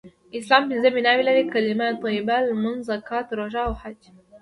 اسلام پنځه بناوې لری : کلمه طیبه ، لمونځ ، زکات ، روژه او حج